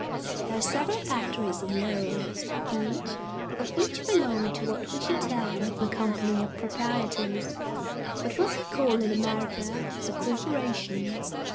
There are several factories in Lowell, each of which belongs to what we should term a Company of Proprietors, but what they call in America a Corporation.